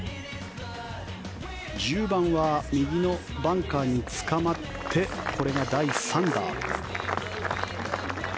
１０番は右のバンカーにつかまってこれが第３打。